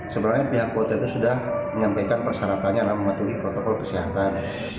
sebenarnya pihak keluarga itu sudah menyampaikan persyaratannya adalah mematuhi protokol kesehatan